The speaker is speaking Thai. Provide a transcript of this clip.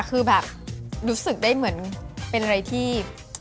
คือแบบรู้สึกได้เหมือนเป็นอะไรที่